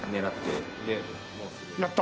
やった？